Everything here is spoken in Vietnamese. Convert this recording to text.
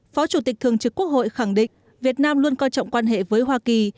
phó chủ tịch thường trực quốc hội khẳng định việt nam luôn coi trọng quan hệ với hoa kỳ